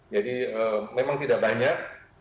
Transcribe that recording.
jadi memang tidak banyak